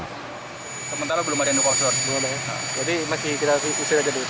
sementara belum ada nukau sur jadi masih kita usir aja dulu